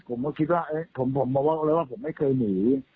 ผมก็คิดว่าผมไม่เคยหนี